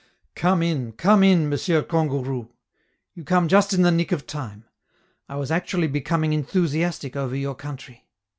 "Come in, come in, Monsieur Kangourou. You come just in the nick of time! I was actually becoming enthusiastic over your country!"